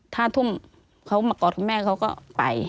ห้าทุ่มเขามากอดคุณแม่เขาก็ไป